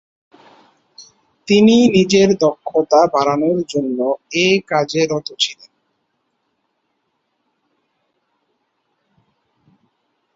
তিনি নিজের দক্ষতা বাড়ানোর জন্য এ কাজে রত ছিলেন।